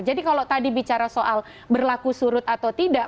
jadi kalau tadi bicara soal berlaku surut atau tidak